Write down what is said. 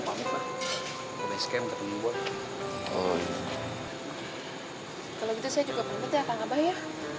kalo gitu saya juga panggil data gak apa apa ya